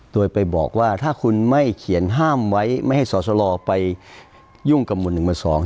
โดยไปบอกว่าถ้าคุณไม่เขียนห้ามไว้ไม่ให้สอสลไปยุ่งกับหุ่นหนึ่งหมวดสอง